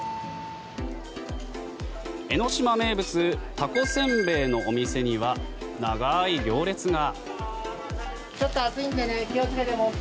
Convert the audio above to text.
江の島名物たこせんべいのお店には長い行列が。